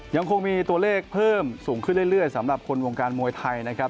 ยังคงมีตัวเลขเพิ่มสูงขึ้นเรื่อยสำหรับคนวงการมวยไทยนะครับ